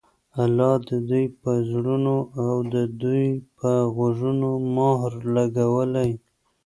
الله د دوى پر زړونو او د دوى په غوږونو مهر لګولى